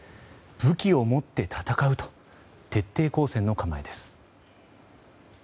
武器を持って戦うと徹底抗戦の構えです。